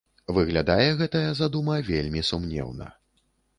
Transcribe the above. Выглядае гэтая задума вельмі сумнеўна.